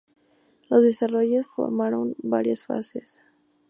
Los desarrollos formaron varias fases.